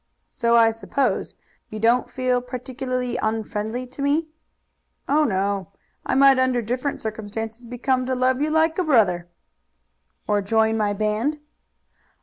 "So I suppose. You don't feel particularly unfriendly to me?" "Oh, no. I might under different circumstances come to love you like a brother." "Or join my band?"